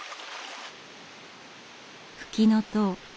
フキノトウ